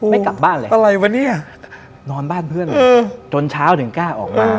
ไม่กลับบ้านแล้วอะไรวะเนี่ยนอนบ้านเพื่อนจนเช้าถึงกล้าออกมา